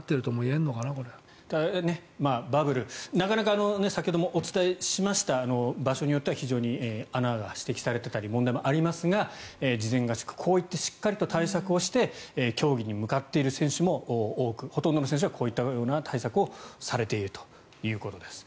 ただ、バブル先ほどもお伝えしました場所によっては非常に穴が指摘されていたり問題がありますが事前合宿こういったしっかり対策をして競技に向かっている選手も多くほとんどの選手がこういった対策をされているということです。